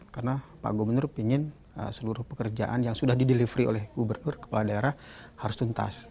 karena pak gubernur ingin seluruh pekerjaan yang sudah didelivery oleh gubernur kepala daerah harus tuntas